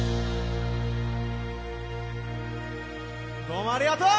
どうもありがとう！